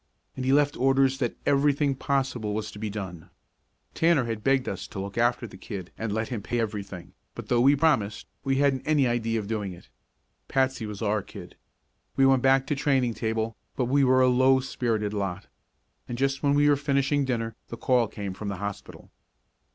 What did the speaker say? And he left orders that everything possible was to be done. Tanner had begged us to look after the kid and let him pay everything, but though we promised, we hadn't any idea of doing it; Patsy was our kid. We went back to training table, but we were a low spirited lot. And just when we were finishing dinner the call came from the hospital.